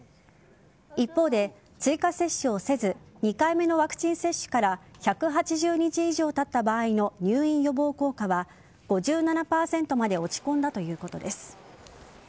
一方で、追加接種をせず２回目のワクチン接種から１８０日以上経った場合の入院予防効果は５７％まで落ち込んだということです。